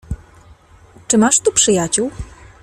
"Czy masz tu przyjaciół?"